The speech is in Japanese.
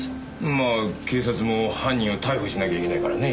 まあ警察も犯人を逮捕しなきゃいけないからね。